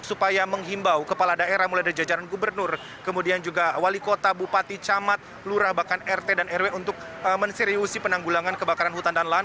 supaya menghimbau kepala daerah mulai dari jajaran gubernur kemudian juga wali kota bupati camat lurah bahkan rt dan rw untuk menseriusi penanggulangan kebakaran hutan dan lahan